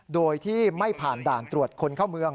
โดยที่ไม่ผ่านด่านตรวจคนเข้าเมือง